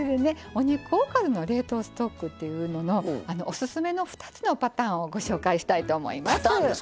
お肉おかずの冷凍ストックというののオススメの２つのパターンをご紹介したいと思います。